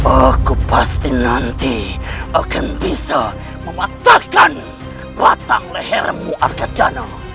aku pasti nanti akan bisa mematahkan batang lehermu arkadana